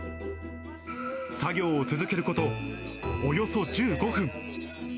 作業を続けること、およそ１５分。